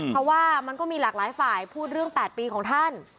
เพราะว่ามันก็มีหลากหลายฝ่ายพูดเรื่อง๘ปีของท่าน